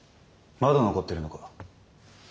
まだ残ってるのか。